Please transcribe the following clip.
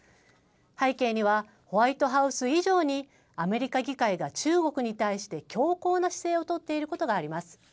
背景には、ホワイトハウス以上に、アメリカ議会が中国に対して強硬な姿勢を取っていることがあります。